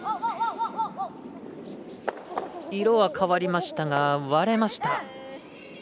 色は変わりましたが割れました。